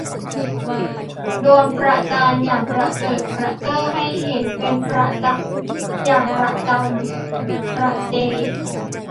โดนประจานอย่างประเจิดประเจ้อให้เห็นเป็นประจักษ์อย่างประจำประเจ